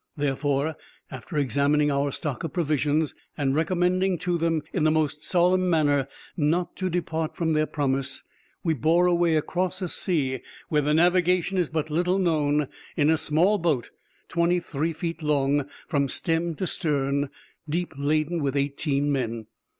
Therefore, after examining our stock of provisions, and recommending to them, in the most solemn manner, not to depart from their promise, we bore away across a sea where the navigation is but little known, in a small boat, twenty three feet long from stem to stern, deep laden with eighteen men.